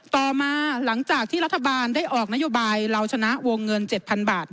ต่อมาหลังจากที่รัฐบาลได้ออกนโยบายเราชนะวงเงิน๗๐๐บาท